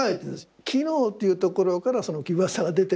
機能っていうところからその奇抜さが出てるから。